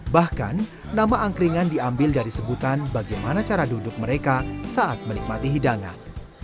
bahkan nama angkringan diambil dari sebutan bagaimana cara duduk mereka saat menikmati hidangan